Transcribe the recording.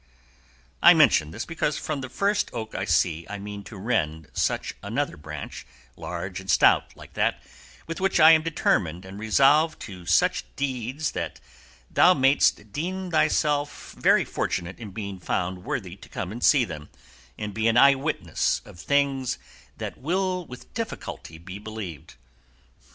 I mention this because from the first oak I see I mean to rend such another branch, large and stout like that, with which I am determined and resolved to do such deeds that thou mayest deem thyself very fortunate in being found worthy to come and see them, and be an eyewitness of things that will with difficulty be believed."